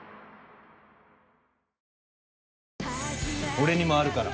「俺にもあるから。